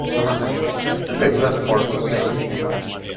Letras por Snake.